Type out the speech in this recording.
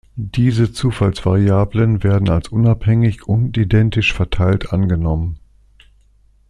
Diese Zufallsvariablen werden als unabhängig und identisch verteilt angenommen.